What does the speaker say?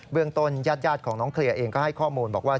เรื่องต้นญาติของน้องเคลียร์เองก็ให้ข้อมูลบอกว่า